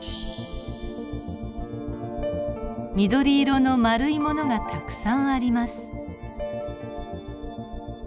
緑色の丸いものがたくさんあります。